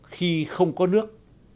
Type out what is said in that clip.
khi không có nước